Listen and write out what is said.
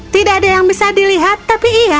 tidak ada yang bisa dilihat tapi iya